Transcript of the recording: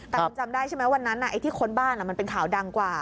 แต่คุณจำได้ใช่ไหมวันนั้นไอ้ที่ค้นบ้านมันเป็นข่าวดังกว่า